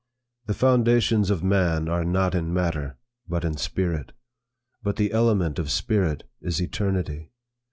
'The foundations of man are not in matter, but in spirit. But the element of spirit is eternity.